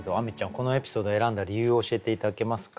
このエピソードを選んだ理由を教えて頂けますか？